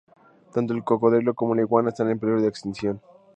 Tanto el cocodrilo como la iguana están en peligro de extinción.